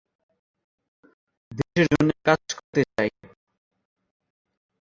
পুরাণে তাকে ব্রাহ্মণ যোদ্ধা বা ব্রহ্মক্ষত্রীয় হিসেবে বর্ণনা করা হয়েছে।